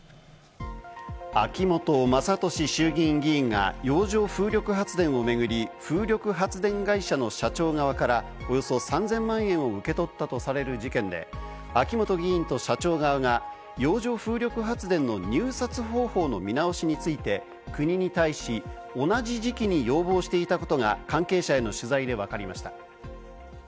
秋本真利衆議院議員が、洋上風力発電を巡り、風力発電会社の社長側からおよそ３０００万円を受け取ったとされる事件で、秋本議員と社長側が洋上風力発電の入札方法の見直しについて、国に対し、同じ時期に要望していたことが関係者への取材でわかりました。